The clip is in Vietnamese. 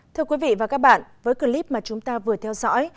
thưa quý vị và các bạn với clip mà chúng ta vừa theo dõi